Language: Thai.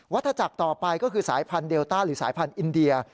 ธนาจักรต่อไปก็คือสายพันธุเดลต้าหรือสายพันธุ์อินเดีย